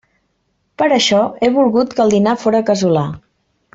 Per això he volgut que el dinar fóra casolà.